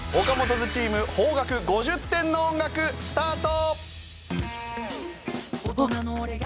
’Ｓチーム邦楽５０点の音楽スタート！